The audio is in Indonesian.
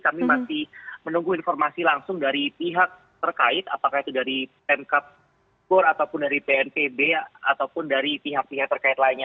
kami masih menunggu informasi langsung dari pihak terkait apakah itu dari pemkap gor ataupun dari pnpb ataupun dari pihak pihak terkait lainnya